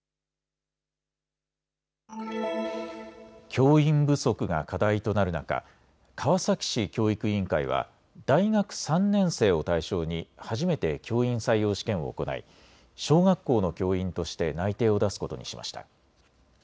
教員不足が課題となる中、川崎市教育委員会は大学３年生を対象に初めて教員採用試験を行い小学校の教員として内定を出すことにしました。